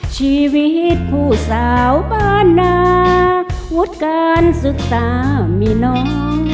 ชีวิตผู้สาวบ้านนาวุฒิการศึกษามีน้อง